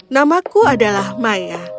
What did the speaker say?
namaku adalah maya